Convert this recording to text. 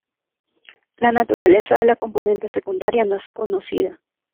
La naturaleza de la componente secundaria no es conocida.